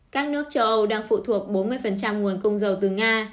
các nước châu âu đang phụ thuộc bốn mươi nguồn cung dầu từ nga